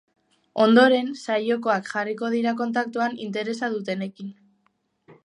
Ondoren, saiokoak jarriko dira kontaktuan interesa dutenekin.